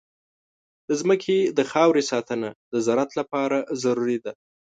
د ځمکې د خاورې ساتنه د زراعت لپاره ضروري ده.